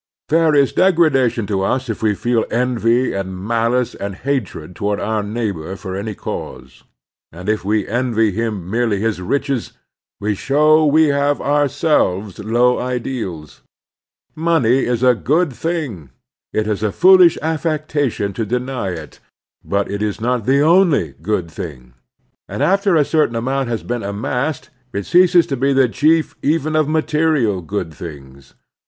There is degradation to us if we feel envy and malice and hatred toward our neighbor for any cause ; and if we envy him merely his riches, we show we have ourselves low ideals. Money is a good thing. It is a foolish affectation to deny it. But it is not the only good thing, and after a cer tain amoimt has been amassed it ceases to be the chief even of material good things.